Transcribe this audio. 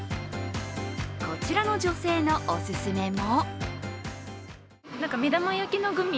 こちらの女性のお勧めも。